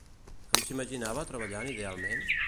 Com s'imaginava treballant idealment?